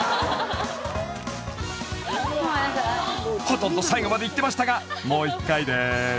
［ほとんど最後までいってましたがもう１回です］